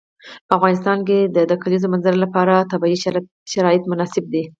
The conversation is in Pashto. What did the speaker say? په افغانستان کې د د کلیزو منظره لپاره طبیعي شرایط مناسب دي.